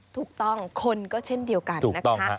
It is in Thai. ถูกต้องคนก็เช่นเดียวกันนะคะ